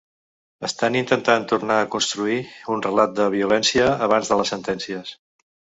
Estan intentant tornar a construir un relat de violència abans de les sentències.